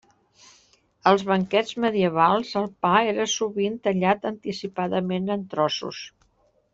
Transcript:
Als banquets medievals el pa era sovint tallat anticipadament en trossos.